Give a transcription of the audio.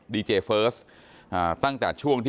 ไม่ตั้งใจครับ